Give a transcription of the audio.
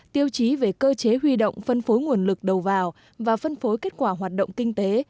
tiêu chí về cơ chế huy động phân phối nguồn lực đầu vào và phân phối kết quả hoạt động kinh tế